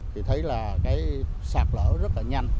thì thấy là cái sạt lở rất là nhanh